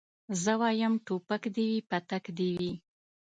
زه وايم ټوپک دي وي پتک دي وي